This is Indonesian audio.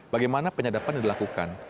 bagaimana penyadapan dilakukan